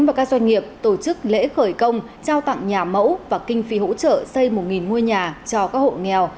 và các doanh nghiệp tổ chức lễ khởi công trao tặng nhà mẫu và kinh phí hỗ trợ xây một ngôi nhà cho các hộ nghèo